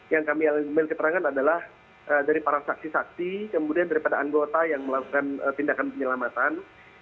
yang kami ambil keterangan adalah dari para saksi saksi kemudian daripada anggota yang melakukan tindakan penyelamatan